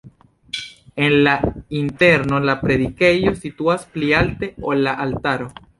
En la interno la predikejo situas pli alte, ol la altaro.